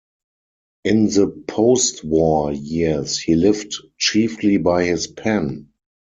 In the postwar years, he lived chiefly by his pen.